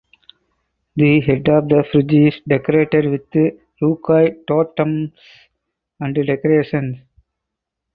The head of the bridge is decorated with Rukai totems and decorations.